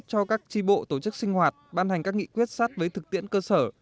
cho các tri bộ tổ chức sinh hoạt ban hành các nghị quyết sát với thực tiễn cơ sở